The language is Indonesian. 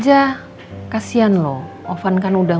aku mau berenang